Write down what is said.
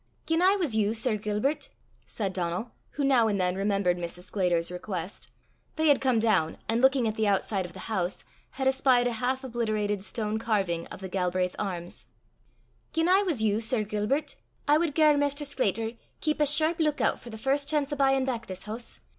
"Gien I was you, Sir Gilbert," said Donal, who now and then remembered Mrs. Sclater's request they had come down, and looking at the outside of the house, had espied a half obliterated stone carving of the Galbraith arms "Gien I was you, Sir Gilbert, I wad gar Maister Scletter keep a sherp luik oot for the first chance o' buyin' back this hoose.